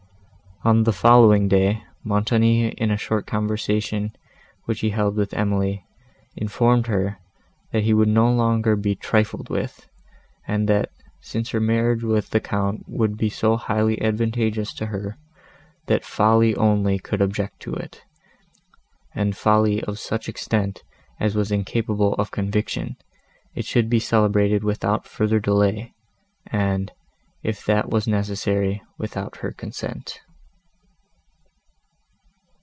On the following day, Montoni, in a short conversation, which he held with Emily, informed her, that he would no longer be trifled with, and that, since her marriage with the Count would be so highly advantageous to her, that folly only could object to it, and folly of such extent as was incapable of conviction, it should be celebrated without further delay, and, if that was necessary, without her consent.